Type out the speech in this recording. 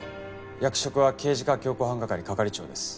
役職は刑事課強行犯係係長です。